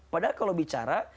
padahal kalau bicara